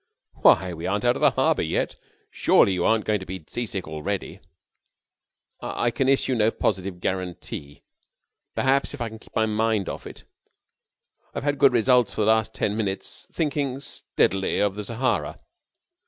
"Why, we aren't out of the harbour yet. Surely you aren't going to be sea sick already." "I can issue no positive guarantee. Perhaps if I can keep my mind off it ... I have had good results for the last ten minutes by thinking steadily of the Sahara.